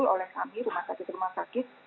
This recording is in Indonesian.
oleh kami rumah sakit rumah sakit